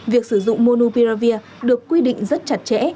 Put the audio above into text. việc sử dụng monoprilavir được quy định rất chặt chẽ